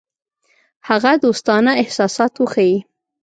هغه دوستانه احساسات وښيي.